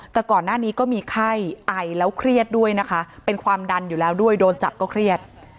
แต่ก่อนหน้านี้ก็มีไข้ไอแล้วเครียดด้วยนะคะเป็นความดันอยู่แล้วด้วยโดนจับก็เครียด